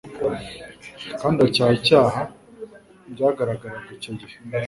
kandi acyaha ibyaha byagaragaraga icyo gihe.